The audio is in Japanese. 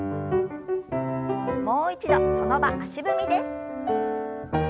もう一度その場足踏みです。